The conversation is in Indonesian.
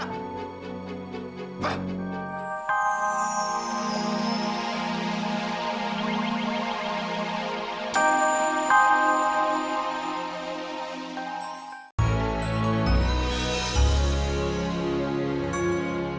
sampai jumpa lagi